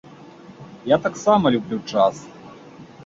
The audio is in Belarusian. Я таксама люблю джаз.